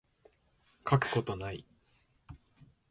書くことない